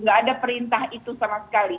gak ada perintah itu sama sekali